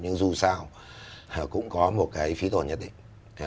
nhưng dù sao cũng có một cái phí tồn nhất định